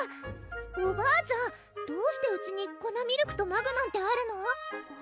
おばあちゃんどうしてうちに粉ミルクとマグなんてあるの？